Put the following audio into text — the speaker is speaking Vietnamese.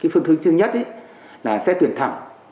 phương thức thứ nhất là xét tuyển thẳng